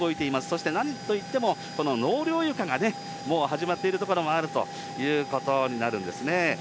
そして、なんといってもこの納涼床がもう始まっているところもあるということになるんですね。